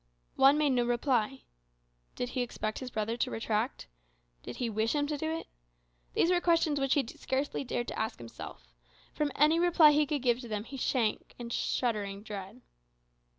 Juan made no reply. Did he expect his brother to retract? Did he wish him to do it? These were questions he scarcely dared to ask himself. From any reply he could give to them he shrank in shuddering dread.